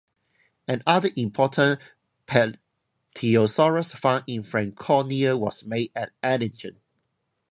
Another important "Plateosaurus" find in Franconia was made at Ellingen.